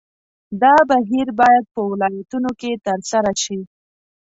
دا بهیر باید په ولایتونو کې ترسره شي.